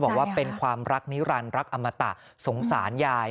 บอกว่าเป็นความรักนิรันดิรักอมตะสงสารยาย